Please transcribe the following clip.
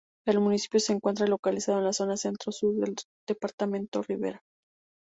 El municipio se encuentra localizado en la zona centro-sur del departamento de Rivera.